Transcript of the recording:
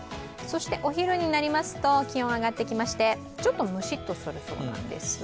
お昼になりますと気温が上がってきまして、ちょっとムシッとするそうなんです。